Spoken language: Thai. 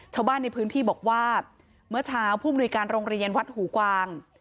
ชาวบ้านในพื้นที่บอกว่าเมื่อเช้าผู้มนุยการโรงเรียนวัดหูกวาง